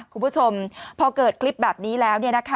คุณผู้ชมพอเกิดคลิปแบบนี้แล้ว